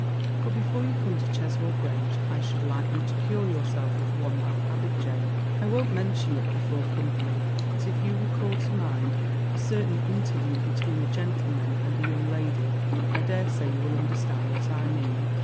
" But before you come to Cheswold Grange I should like you to cure yourself of one bad habit, Jane. I won'tmention it before com pany, but if you recall to mind a certain interview between a gentle man and a young lady I dare say you will understand what I mean.'